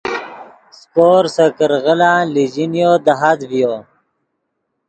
سیکور سے کرغیلان لیجینیو دہات ڤیو